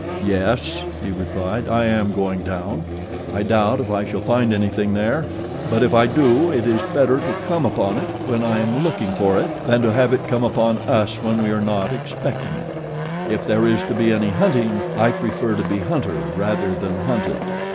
"Yes," he replied, "I am going down. I doubt if I shall find anything there; but if I do it is better to come upon it when I am looking for it than to have it come upon us when we are not expecting it. If there is to be any hunting I prefer to be hunter rather than hunted."